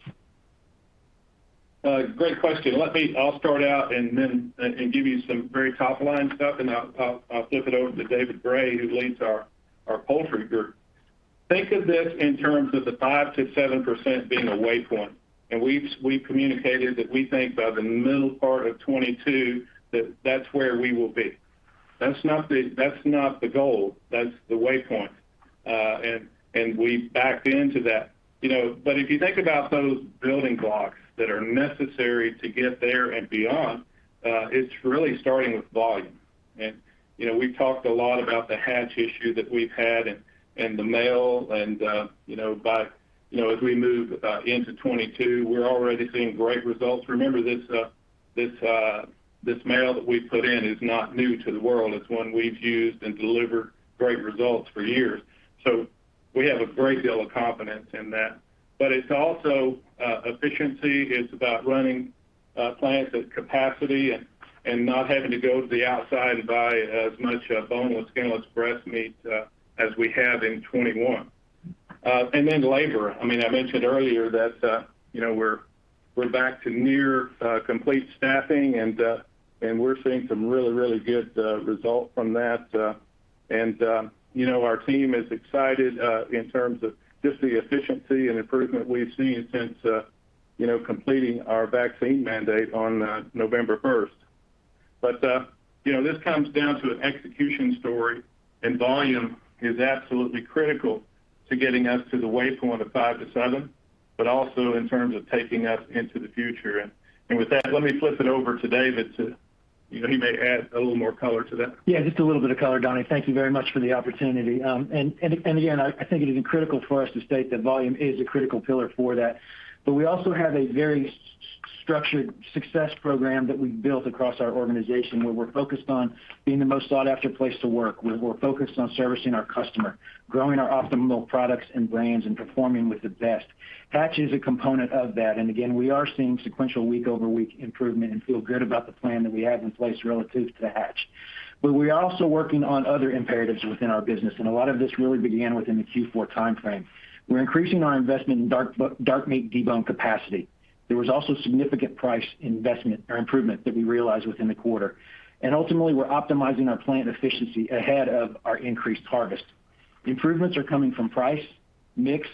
Great question. I'll start out and then and give you some very top-line stuff, and I'll flip it over to David Bray, who leads our Poultry group. Think of this in terms of the 5%-7% being a waypoint. We've communicated that we think by the middle part of 2022 that that's where we will be. That's not the goal. That's the waypoint. We've backed into that. You know, but if you think about those building blocks that are necessary to get there and beyond, it's really starting with volume. You know, we've talked a lot about the hatch issue that we've had and the male and you know, as we move into 2022, we're already seeing great results. Remember this model that we put in is not new to the world. It's one we've used and delivered great results for years. We have a great deal of confidence in that. It's also efficiency. It's about running plants at capacity and not having to go to the outside and buy as much boneless, skinless breast meat as we have in 2021. Labor. I mean, I mentioned earlier that you know, we're back to near complete staffing and we're seeing some really good results from that. You know, our team is excited in terms of just the efficiency and improvement we've seen since you know, completing our vaccine mandate on November first. This comes down to an execution story, and volume is absolutely critical to getting us to the waypoint of 5-7, but also in terms of taking us into the future. With that, let me flip it over to David to, you know, he may add a little more color to that. Yeah, just a little bit of color, Donnie. Thank you very much for the opportunity. Again, I think it is critical for us to state that volume is a critical pillar for that. We also have a very structured success program that we've built across our organization, where we're focused on being the most sought-after place to work, where we're focused on servicing our customer, growing our optimal products and brands, and performing with the best. Hatch is a component of that, and again, we are seeing sequential week-over-week improvement and feel good about the plan that we have in place relative to the hatch. We are also working on other imperatives within our business, and a lot of this really began within the Q4 timeframe. We're increasing our investment in dark meat debone capacity. There was also significant price investment or improvement that we realized within the quarter. Ultimately, we're optimizing our plant efficiency ahead of our increased harvest. Improvements are coming from price, mix,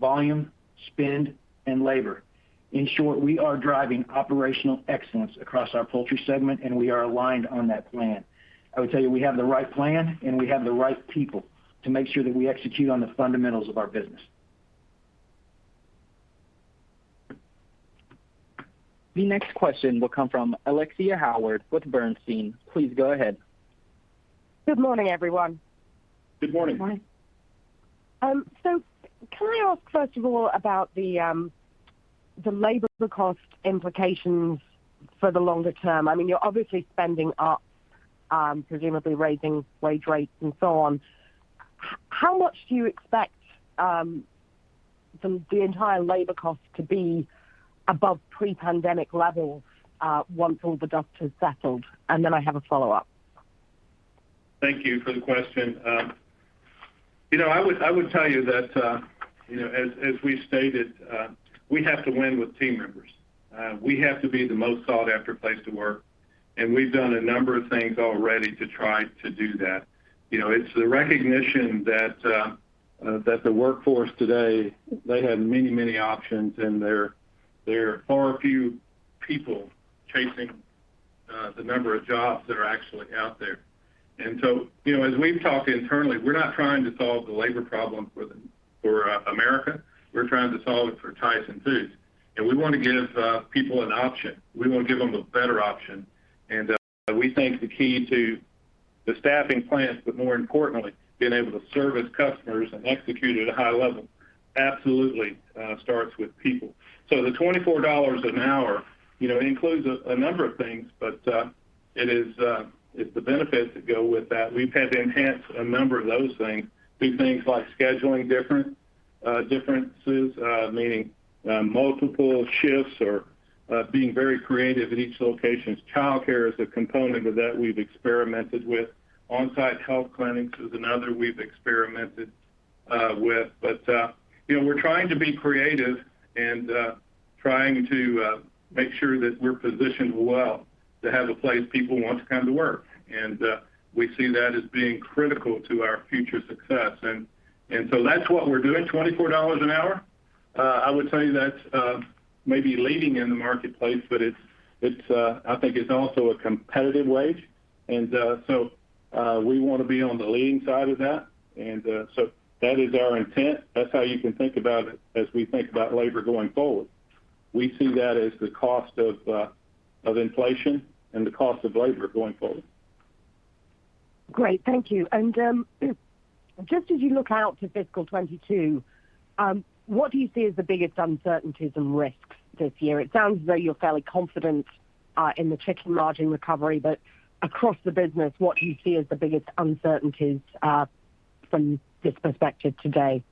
volume, spend, and labor. In short, we are driving operational excellence across our Poultry segment, and we are aligned on that plan. I would tell you, we have the right plan, and we have the right people to make sure that we execute on the fundamentals of our business. The next question will come from Alexia Howard with Bernstein. Please go ahead. Good morning, everyone. Good morning. Good morning. Can I ask first of all about the labor cost implications for the longer term? I mean, you're obviously spending up, presumably raising wage rates and so on. How much do you expect the entire labor cost to be above pre-pandemic levels once all the dust has settled? Then I have a follow-up. Thank you for the question. You know, I would tell you that, you know, as we stated, we have to win with team members. We have to be the most sought-after place to work, and we've done a number of things already to try to do that. You know, it's the recognition that the workforce today, they have many options, and there are far fewer people chasing the number of jobs that are actually out there. You know, as we've talked internally, we're not trying to solve the labor problem for America. We're trying to solve it for Tyson Foods. We want to give people an option. We want to give them the better option. We think the key to the staffing plans, but more importantly, being able to service customers and execute at a high level absolutely starts with people. The $24 an hour, you know, includes a number of things, but it's the benefits that go with that. We've had to enhance a number of those things, do things like scheduling differences, meaning multiple shifts or being very creative at each location. Childcare is a component of that we've experimented with. On-site health clinics is another we've experimented with. You know, we're trying to be creative and trying to make sure that we're positioned well to have a place people want to come to work. We see that as being critical to our future success. So that's what we're doing. $24 an hour, I would tell you that's maybe leading in the marketplace, but it's, I think, also a competitive wage. We wanna be on the leading side of that. That is our intent. That's how you can think about it as we think about labor going forward. We see that as the cost of inflation and the cost of labor going forward. Great. Thank you. Just as you look out to fiscal 2022, what do you see as the biggest uncertainties and risks this year? It sounds as though you're fairly confident in the chicken margin recovery, but across the business, what do you see as the biggest uncertainties from this perspective today?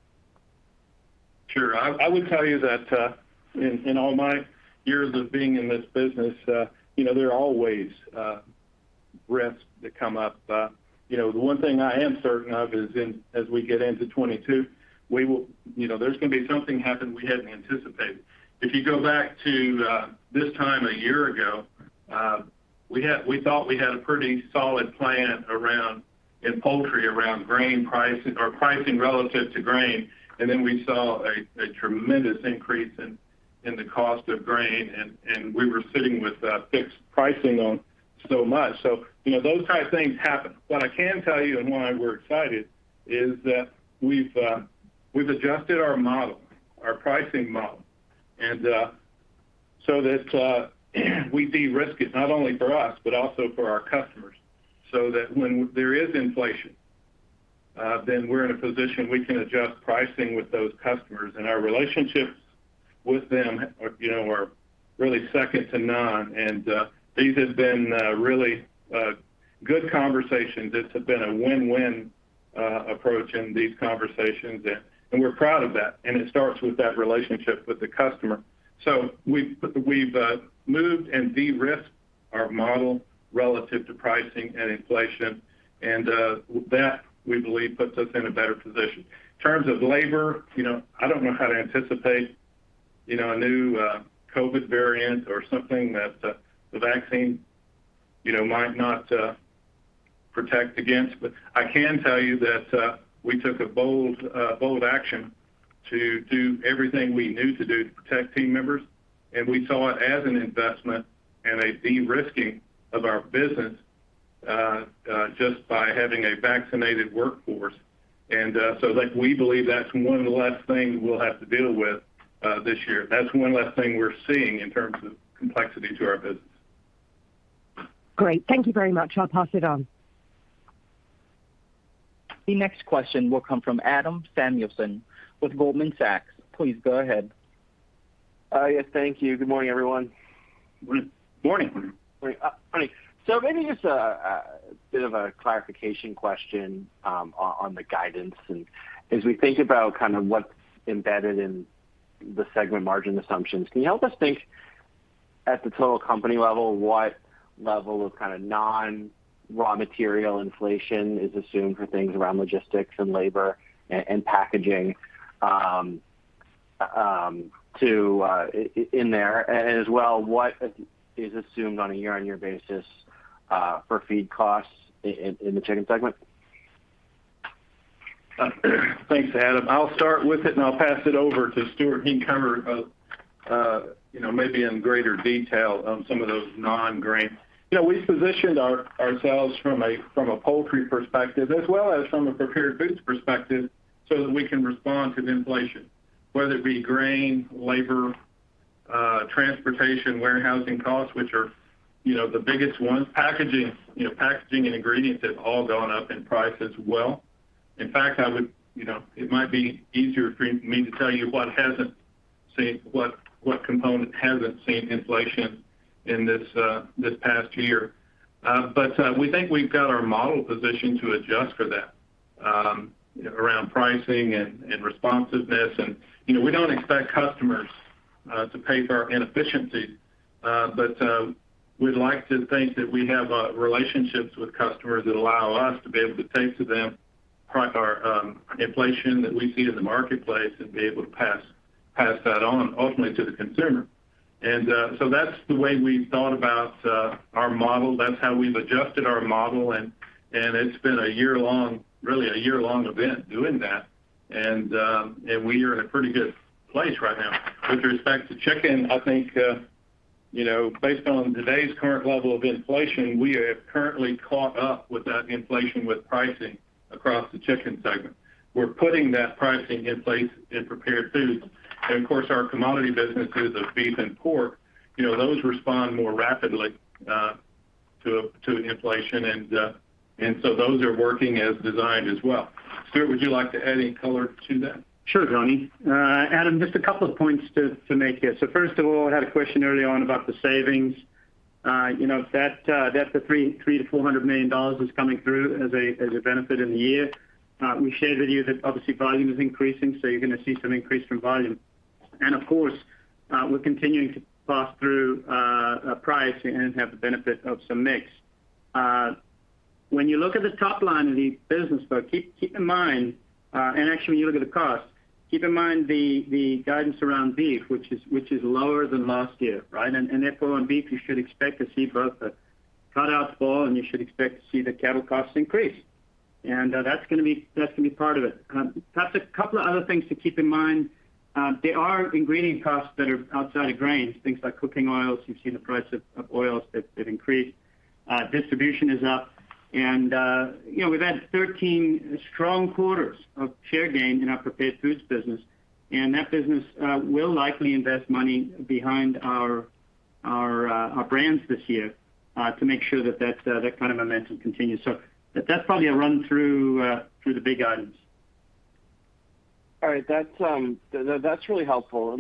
Sure. I would tell you that in all my years of being in this business, you know, there are always risks that come up. You know, the one thing I am certain of is as we get into 2022, there's gonna be something happen we hadn't anticipated. If you go back to this time a year ago, we thought we had a pretty solid plan around in poultry around grain pricing, our pricing relative to grain. We saw a tremendous increase in the cost of grain and we were sitting with fixed pricing on so much. You know, those kind of things happen. What I can tell you and why we're excited is that we've adjusted our model, our pricing model. So that we de-risk it not only for us, but also for our customers, so that when there is inflation, then we're in a position we can adjust pricing with those customers. Our relationships with them are, you know, really second to none. These have been really good conversations. It's been a win-win approach in these conversations and we're proud of that, and it starts with that relationship with the customer. We've moved and de-risked our model relative to pricing and inflation, and that, we believe, puts us in a better position. In terms of labor, you know, I don't know how to anticipate, you know, a new COVID variant or something that the vaccine, you know, might not protect against. I can tell you that we took a bold action to do everything we knew to do to protect team members, and we saw it as an investment and a de-risking of our business, just by having a vaccinated workforce. Like, we believe that's one of the last things we'll have to deal with this year. That's one less thing we're seeing in terms of complexity to our business. Great. Thank you very much. I'll pass it on. The next question will come from Adam Samuelson with Goldman Sachs. Please go ahead. Yes, thank you. Good morning, everyone. Morning. Morning. Maybe just a bit of a clarification question on the guidance and as we think about kind of what's embedded in the segment margin assumptions. Can you help us think at the total company level what level of kind of non-raw material inflation is assumed for things around logistics and labor and packaging in there? And as well, what is assumed on a year-on-year basis for feed costs in the Chicken segment? Thanks, Adam. I'll start with it, and I'll pass it over to Stewart. He can cover, you know, maybe in greater detail on some of those non-grain. You know, we've positioned ourselves from a poultry perspective as well as from a prepared foods perspective so that we can respond to the inflation, whether it be grain, labor, transportation, warehousing costs, which are, you know, the biggest ones. Packaging, you know, packaging and ingredients have all gone up in price as well. In fact, you know, it might be easier for me to tell you what component hasn't seen inflation in this past year. We think we've got our model positioned to adjust for that around pricing and responsiveness. You know, we don't expect customers to pay for our inefficiencies, but we'd like to think that we have relationships with customers that allow us to be able to take to them price or inflation that we see in the marketplace and be able to pass that on ultimately to the consumer. That's the way we've thought about our model. That's how we've adjusted our model and it's been a year-long, really a year-long event doing that. We are in a pretty good place right now. With respect to Chicken, I think you know, based on today's current level of inflation, we have currently caught up with that inflation with pricing across the Chicken segment. We're putting that pricing in place in Prepared Foods. Of course, our commodity businesses of beef and pork, you know, those respond more rapidly to inflation. So those are working as designed as well. Stewart, would you like to add any color to that? Sure, Donnie. Adam Samuelson, just a couple of points to make here. First of all, I had a question early on about the savings. You know, that's the $300 million-$400 million is coming through as a benefit in the year. We've shared with you that obviously volume is increasing, so you're gonna see some increase from volume. Of course, we're continuing to pass through a price and have the benefit of some mix. When you look at the top line of the business book, keep in mind, and actually when you look at the cost, keep in mind the guidance around beef, which is lower than last year, right? Therefore on beef, you should expect to see both the cutouts fall, and you should expect to see the cattle costs increase. That's gonna be part of it. That's a couple of other things to keep in mind. There are ingredient costs that are outside of grains, things like cooking oils. You've seen the price of oils that increased. Distribution is up and, you know, we've had 13 strong quarters of share gain in our Prepared Foods business, and that business will likely invest money behind our brands this year, to make sure that that kind of momentum continues. That's probably a run through the big items. All right. That's really helpful.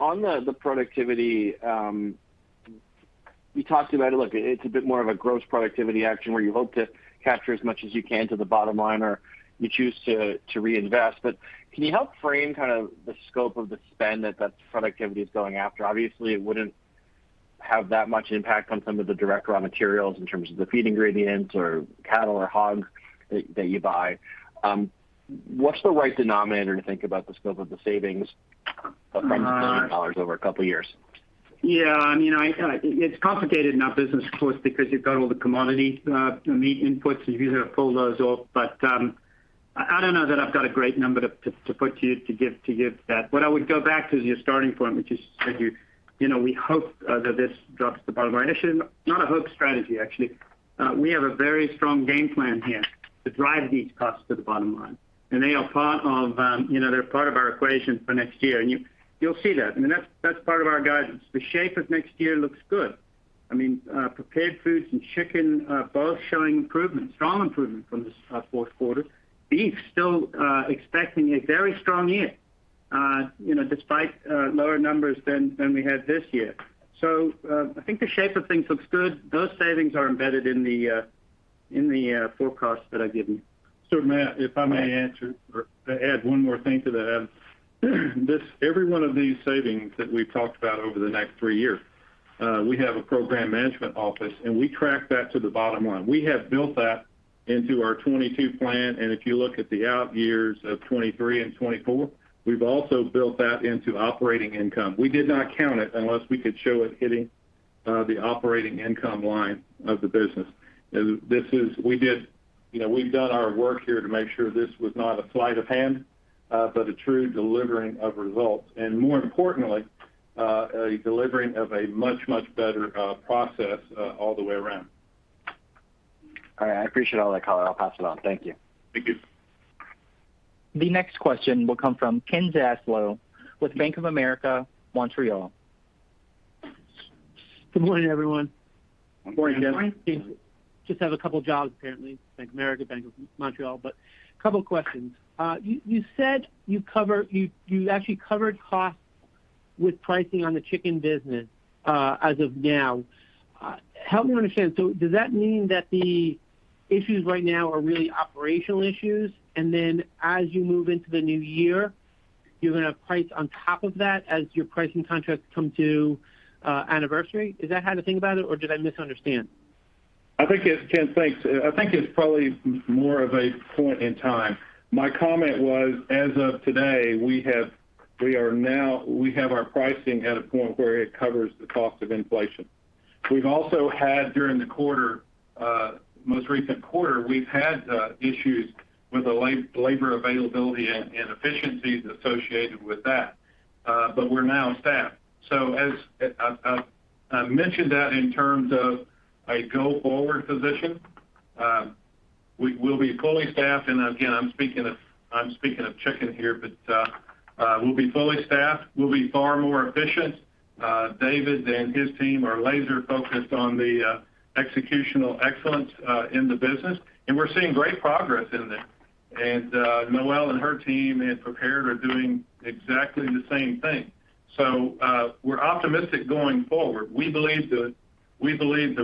On the productivity, you talked about, look, it's a bit more of a gross productivity action where you hope to capture as much as you can to the bottom line, or you choose to reinvest. Can you help frame kind of the scope of the spend that productivity is going after? Obviously, it wouldn't have that much impact on some of the direct raw materials in terms of the feed ingredients or cattle or hogs that you buy. What's the right denominator to think about the scope of the savings from the $1 billion over a couple of years? Yeah, I mean, it's complicated in our business, of course, because you've got all the commodity meat inputs, so you'd have to pull those off. But I don't know that I've got a great number to put to you to give that. What I would go back to is your starting point, which is you said, you know, we hope that this drops to the bottom line. It's not a hope strategy, actually. We have a very strong game plan here to drive these costs to the bottom line. They are part of, you know, they're part of our equation for next year. You'll see that. I mean, that's part of our guidance. The shape of next year looks good. I mean, Prepared Foods and Chicken are both showing improvement, strong improvement from this fourth quarter. Beef still expecting a very strong year, you know, despite lower numbers than we had this year. I think the shape of things looks good. Those savings are embedded in the forecast that I've given you. So, if I may answer or add one more thing to that. Every one of these savings that we've talked about over the next three years, we have a program management office, and we track that to the bottom line. We have built that into our 2022 plan, and if you look at the out years of 2023 and 2024, we've also built that into operating income. We did not count it unless we could show it hitting the operating income line of the business. You know, we've done our work here to make sure this was not a sleight of hand, but a true delivering of results, and more importantly, a delivering of a much, much better process all the way around. All right. I appreciate all that color. I'll pass it on. Thank you. Thank you. The next question will come from Ken Zaslow with Bank of Montreal. Good morning, everyone. Good morning, Ken. I guess I have a couple of jobs, apparently, Bank of America, Bank of Montreal. But, a couple of questions. You actually covered costs with pricing on the chicken business as of now. Help me understand. Does that mean that the issues right now are really operational issues, and then as you move into the new year, you're going to price on top of that as your pricing contracts come to anniversary? Is that how to think about it, or did I misunderstand? Ken, thanks. I think it's probably more of a point in time. My comment was, as of today, we have our pricing at a point where it covers the cost of inflation. We've also had during the most recent quarter issues with the labor availability and efficiencies associated with that, but we're now staffed. As I mentioned that in terms of a go-forward position, we'll be fully staffed, and again, I'm speaking of chicken here, but we'll be fully staffed. We'll be far more efficient. David and his team are laser-focused on the executional excellence in the business, and we're seeing great progress in that. Noelle and her team in prepared are doing exactly the same thing. We're optimistic going forward. We believe the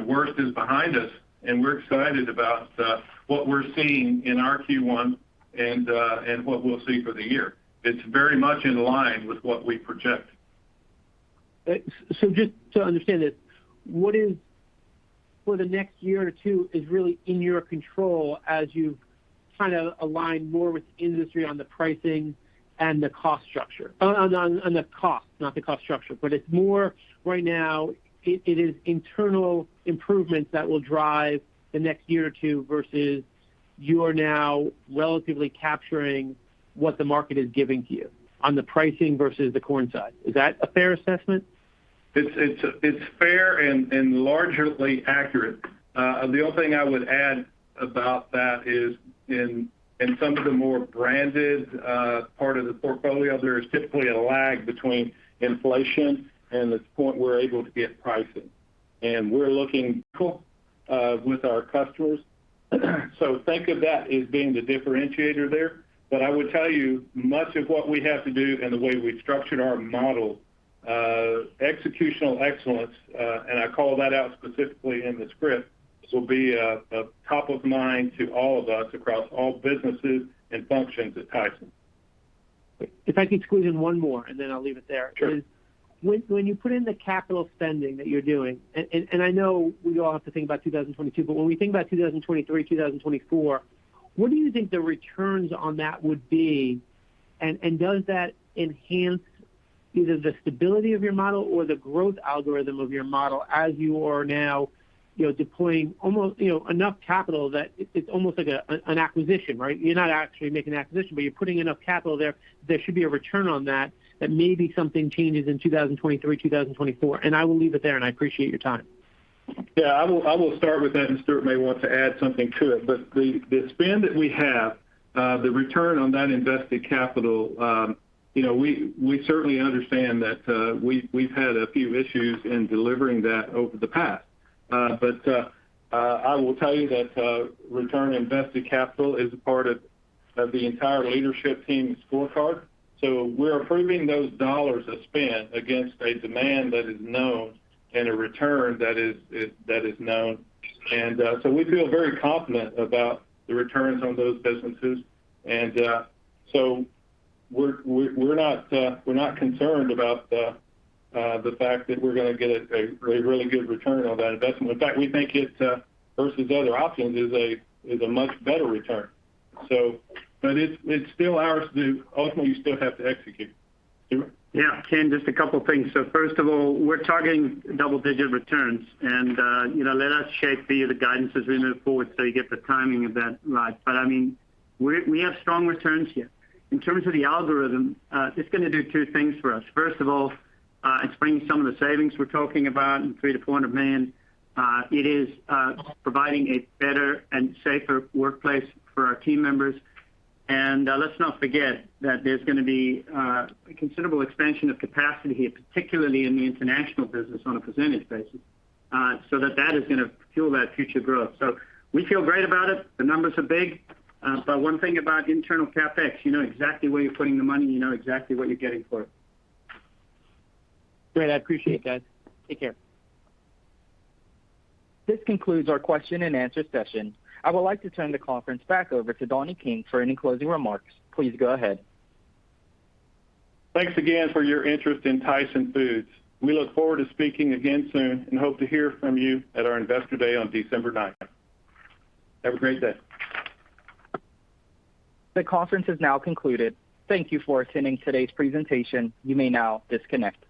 worst is behind us, and we're excited about what we're seeing in our Q1 and what we'll see for the year. It's very much in line with what we project. Just to understand this, what is for the next year or two is really in your control as you kind of align more with industry on the pricing and the cost structure? On the cost, not the cost structure. It's more right now it is internal improvements that will drive the next year or two versus you are now relatively capturing what the market is giving to you on the pricing versus the corn side. Is that a fair assessment? It's fair and largely accurate. The only thing I would add about that is in some of the more branded part of the portfolio, there is typically a lag between inflation and the point we're able to get pricing. We're working closely with our customers. Think of that as being the differentiator there. I would tell you much of what we have to do and the way we've structured our model, executional excellence, and I call that out specifically in the script. This will be top of mind to all of us across all businesses and functions at Tyson. If I could squeeze in one more, and then I'll leave it there. Sure. Is when you put in the capital spending that you're doing, and I know we all have to think about 2022, but when we think about 2023, 2024, what do you think the returns on that would be? Does that enhance either the stability of your model or the growth algorithm of your model as you are now, you know, deploying almost, you know, enough capital that it's almost like a, an acquisition, right? You're not actually making an acquisition, but you're putting enough capital there should be a return on that maybe something changes in 2023, 2024. I will leave it there, and I appreciate your time. Yeah. I will start with that, and Stewart may want to add something to it. The spend that we have, the return on that invested capital, you know, we certainly understand that, we've had a few issues in delivering that over the past. I will tell you that return on invested capital is a part of the entire leadership team's scorecard. We're approving those dollars that's spent against a demand that is known and a return that is known. We feel very confident about the returns on those businesses. We're not concerned about the fact that we're gonna get a really good return on that investment. In fact, we think it versus other options is a much better return. It’s still ours to do. Ultimately, you still have to execute. Stewart? Yeah. Ken, just a couple things. First of all, we're targeting double-digit returns and, you know, let us shape the guidance as we move forward so you get the timing of that right. I mean, we have strong returns here. In terms of the algorithm, it's gonna do two things for us. First of all, it's bringing some of the savings we're talking about in $300 million-$400 million. It is providing a better and safer workplace for our team members. Let's not forget that there's gonna be a considerable expansion of capacity here, particularly in the international business on a percentage basis, so that is gonna fuel that future growth. We feel great about it. The numbers are big. One thing about internal CapEx, you know exactly where you're putting the money, and you know exactly what you're getting for it. Great. I appreciate it, guys. Take care. This concludes our question-and-answer session. I would like to turn the conference back over to Donnie King for any closing remarks. Please go ahead. Thanks again for your interest in Tyson Foods. We look forward to speaking again soon and hope to hear from you at our Investor Day on December 9. Have a great day. The conference has now concluded. Thank you for attending today's presentation. You may now disconnect.